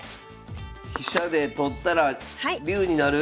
飛車で取ったら竜になる？